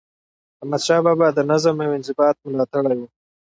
احمدشاه بابا د نظم او انضباط ملاتړی و.